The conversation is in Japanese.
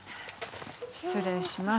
失礼します。